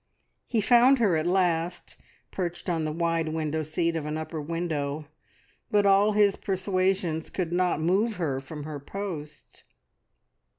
He found her at last, perched on the wide window seat of an upper window, but all his persuasions could not move her from her post.